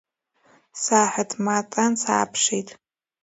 Сааҳәатматан, сааԥшит.